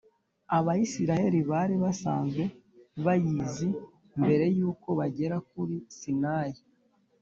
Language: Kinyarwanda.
abayisiraheli bari basanzwe bayizi mbere y’uko bagera kuri sinayi